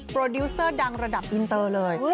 ดิวเซอร์ดังระดับอินเตอร์เลย